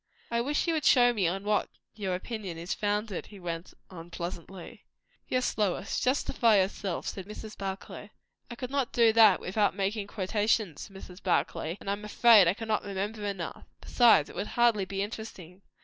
"I wish you would show me on what your opinion is founded," he went on pleasantly. "Yes, Lois, justify yourself," said Mrs. Barclay. "I could not do that without making quotations, Mrs. Barclay, and I am afraid I cannot remember enough. Besides, it would hardly be interesting."